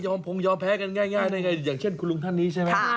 ยอมพงยอมแพ้ง่ายอย่างเช่นคุณลุงท่านนี้ใช่ไหม